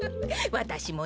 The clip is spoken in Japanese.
わたしもね